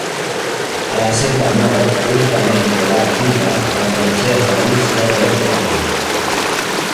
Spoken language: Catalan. A la seva mort únicament quedà viva la princesa Alícia del Regne Unit.